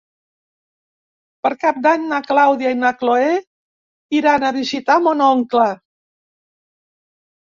Per Cap d'Any na Clàudia i na Cloè iran a visitar mon oncle.